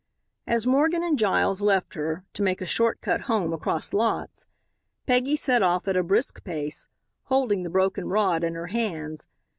As Morgan and Giles left her, to make a shortcut home across lots, Peggy set off at a brisk pace, holding the broken rod in her hands.